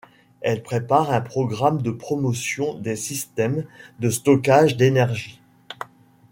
Elle prépare un programme de promotion des systèmes de stockage d'énergie.